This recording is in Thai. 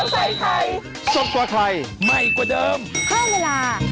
สวัสดีครับ